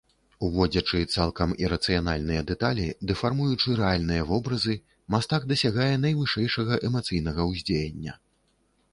Уводзячы цалкам ірацыянальныя дэталі, дэфармуючы рэальныя вобразы, мастак дасягае найвышэйшага эмацыйнага ўздзеяння.